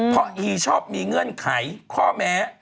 เพราะอีชอบมีเงื่อนไขข้อแม้